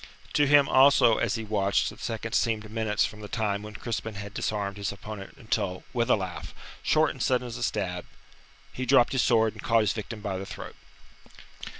To him also, as he watched, the seconds seemed minutes from the time when Crispin had disarmed his opponent until with a laugh short and sudden as a stab he dropped his sword and caught his victim by the throat.